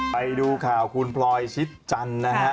ไปดูข่าวคุณพลอยชิดจันทร์นะฮะ